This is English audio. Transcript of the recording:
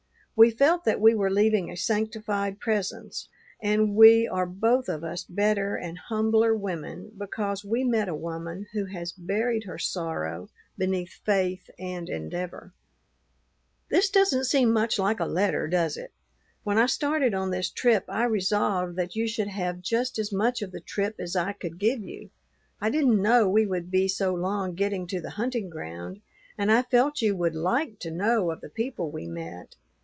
We felt that we were leaving a sanctified presence, and we are both of us better and humbler women because we met a woman who has buried her sorrow beneath faith and endeavor. This doesn't seem much like a letter, does it? When I started on this trip, I resolved that you should have just as much of the trip as I could give you. I didn't know we would be so long getting to the hunting ground, and I felt you would like to know of the people we meet.